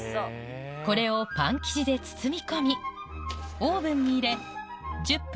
これをパン生地で包み込みオーブンに入れ１０分